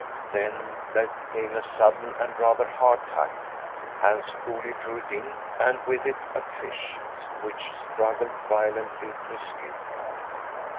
Then there came a sudden and rather hard tug. Hans coolly drew it in, and with it a fish, which struggled violently to escape.